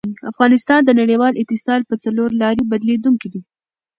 افغانستان د نړیوال اتصال په څلورلاري بدلېدونکی دی.